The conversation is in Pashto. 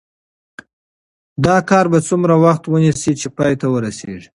دا کار به څومره وخت ونیسي چې پای ته ورسیږي؟